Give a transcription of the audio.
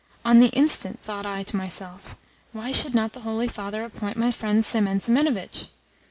On the instant thought I to myself: 'Why should not the Holy Father appoint my friend Semen Semenovitch?